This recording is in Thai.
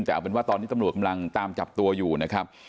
แต่เอาเป็นว่าตอนนี้ตำรวจกำลังตามจับตัวอยู่นะครับ